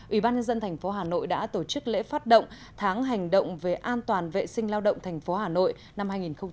ủy ban nhân dân thành phố hà nội đã tổ chức lễ phát động tháng hành động về an toàn vệ sinh lao động thành phố hà nội năm hai nghìn một mươi tám